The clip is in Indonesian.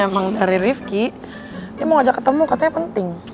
emang dari rifki dia mau ajak ketemu katanya penting